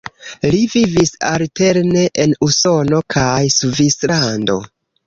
Li vivis alterne en Usono kaj Svislando.